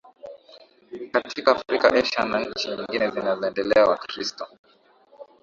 katika Afrika Asia na nchi nyingine zinazoendelea Wakristo